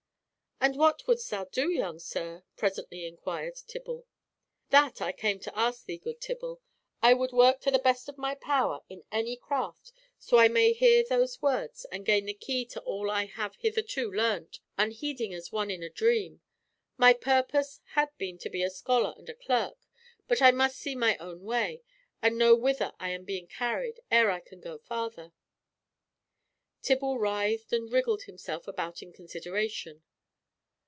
"And what wouldst thou do, young sir?" presently inquired Tibble. "That I came to ask thee, good Tibble. I would work to the best of my power in any craft so I may hear those words and gain the key to all I have hitherto learnt, unheeding as one in a dream. My purpose had been to be a scholar and a clerk, but I must see mine own way, and know whither I am being carried, ere I can go farther." Tibble writhed and wriggled himself about in consideration.